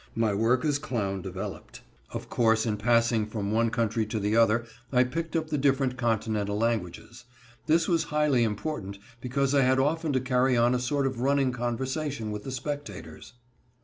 My work as clown developed. Of course, in passing from one country to the other I picked up the different Continental languages. This was highly important, because I had often to carry on a sort of running conversation with the spectators.